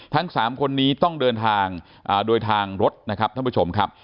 ทั้ง๓คนนี้ต้องเดินทางโดยทางรถนะครับท่านผู้ชมครับ